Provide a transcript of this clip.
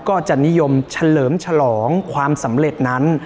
ก็จะนิยมเฉลิมฉลองความสำเร็จนั้น